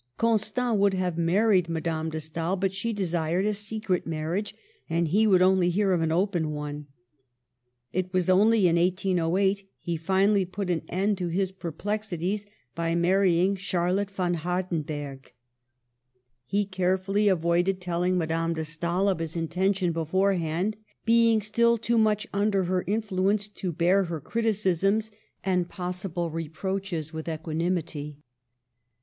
Constant would have married Madame de Stael, but she desired a secret marriage, and he would only hear of an open one. It was only in 1808 he finally put an end to his perplexities by mar rying Charlotte von Hardenberg. He carefully Digitized by VjOOQIC I48 MADAME DE STAEL avoided telling Madame de Stael of his intention beforehand, being still too much under her influ ence to bear her criticisms and possible reproach es with equanimity.